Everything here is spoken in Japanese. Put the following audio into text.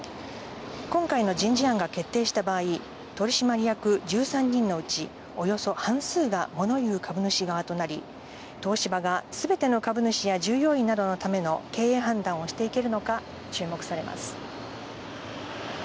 今回の人事案が決定した場合、取締役１３人のうち、およそ半数がもの言う株主側となり、東芝がすべての株主や従業員などのための経営判断をしていけるのか注目されています。